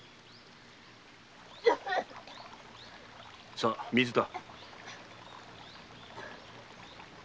さあ水だ。